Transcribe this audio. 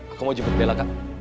aku mau jemput bella kak